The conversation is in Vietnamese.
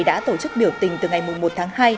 đã tổ chức biểu tình từ ngày một tháng hai